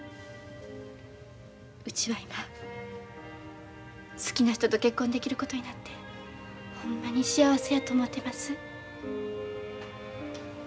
うちは今好きな人と結婚できることになってほんまに幸せやと思てます。